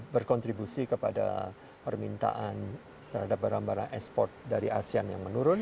berkontribusi kepada permintaan terhadap barang barang ekspor dari asean yang menurun